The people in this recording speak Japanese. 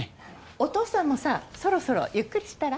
お父さんもさそろそろゆっくりしたら？